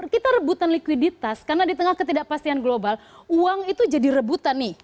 kita rebutan likuiditas karena di tengah ketidakpastian global uang itu jadi rebutan nih